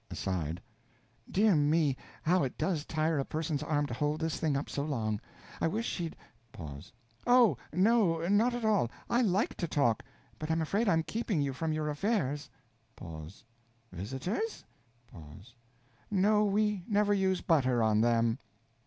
(Aside.) Dear me, how it does tire a person's arm to hold this thing up so long! I wish she'd Pause. Oh no, not at all; I _like _to talk but I'm afraid I'm keeping you from your affairs. Pause. Visitors? Pause. No, we never use butter on them.